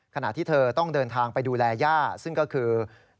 ขณะที่เธอต้องเดินทางไปดูแลย่าซึ่งก็คือ